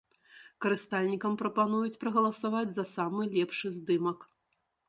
Карыстальнікам прапануюць прагаласаваць за самы лепшы здымак.